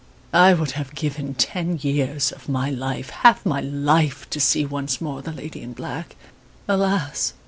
I would have given ten years of my life half my life to see once more the lady in black! Alas!